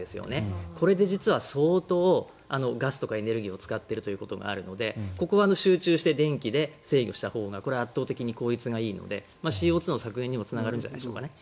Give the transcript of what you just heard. これで相当ガスとかエネルギーを使っているということがあるのでここは集中して電気で制御したほうが圧倒的に効率がいいのでＣＯ２の削減にもつながるんじゃないでしょうか。